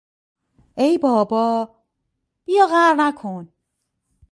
ای بابا - بیا قهر نکن!